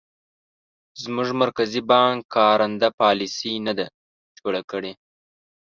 زموږ مرکزي بانک کارنده پالیسي نه ده جوړه کړې.